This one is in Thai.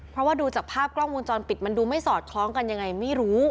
เพราะว่าดูจากภาพกล้องวงจรปิดมันดูไม่สอดคล้องกันยังไงไม่รู้